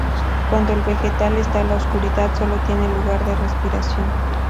Cuando el vegetal está en la oscuridad, solo tiene lugar la respiración.